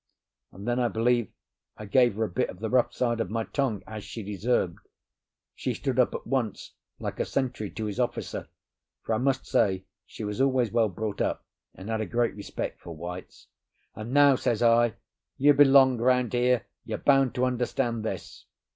And then I believe I gave her a bit of the rough side of my tongue, as she deserved. She stood up at once, like a sentry to his officer; for I must say she was always well brought up, and had a great respect for whites. "And now," says I, "you belong round here, you're bound to understand this.